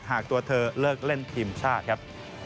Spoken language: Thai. ตัวเธอเลิกเล่นทีมชาติครับ